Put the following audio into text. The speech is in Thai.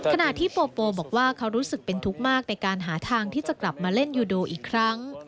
ขณะที่โฟโปบอกว่าเขารู้สึกเป็นทุกข์มากในการหาทางที่จะกลับมาเล่นยูโดอีกครั้ง